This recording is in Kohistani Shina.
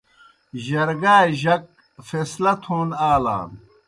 جرگائے جک فیصلہ تھون آلان۔